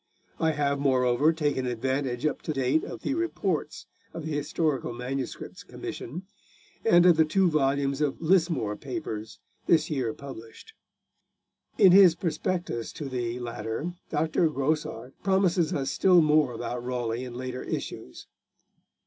I have, moreover, taken advantage up to date of the Reports of the Historical MSS. Commission, and of the two volumes of Lismore Papers this year published. In his prospectus to the latter Dr. Grosart promises us still more about Raleigh in later issues.